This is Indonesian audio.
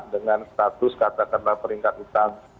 dengan status katakanlah peringkat utang